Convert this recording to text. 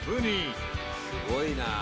すごいなあ！